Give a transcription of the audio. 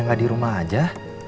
enggak di rumah aja